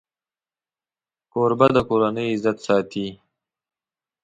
کوربه د کورنۍ عزت ساتي.